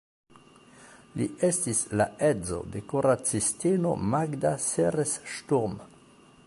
Li estis la edzo de kuracistino Magda Seres-Sturm.